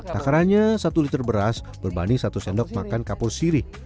takarannya satu liter beras berbanding satu sendok makan kapur sirih